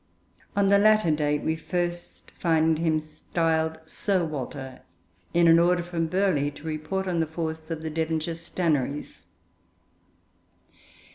On the latter date we find him first styled Sir Walter, in an order from Burghley to report on the force of the Devonshire Stannaries.